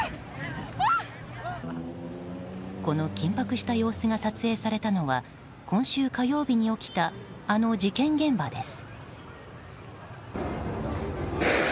この緊迫した様子が撮影されたのは今週火曜日に起きたあの事件現場です。